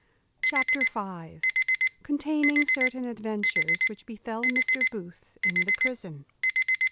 Chapter v. _Containing certain adventures which befel Mr. Booth in the prison.